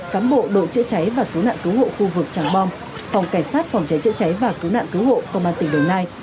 cám bộ đội chữa cháy và cứu nạn cứu hộ khu vực tràng bom phòng cảnh sát phòng cháy chữa cháy và cứu nạn cứu hộ công an tỉnh đồng nai